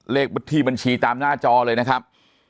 เลขที่บัญชีตามหน้าจอเลยนะครับ